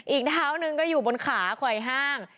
อีกเท้าหนึ่งก็อยู่บนขาไขว้ห้าง